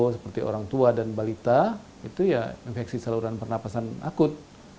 seperti orang tua dan balita itu ya infeksi saluran pernapasan akut